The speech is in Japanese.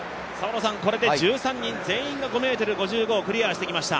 これで１３人全員が５ｍ５５をクリアしていきました。